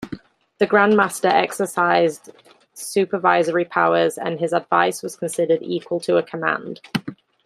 The grandmaster exercised supervisory powers and his advice was considered equal to a command.